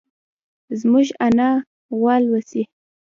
زموږ انا غوا لوسي.